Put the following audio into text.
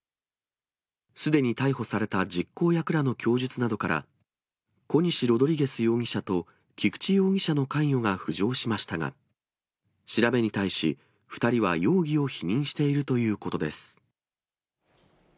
すでに逮捕された実行役らの供述などから、コニシ・ロドリゲス容疑者と菊地容疑者の関与が浮上しましたが、調べに対し、２人は容疑を否認しているということです。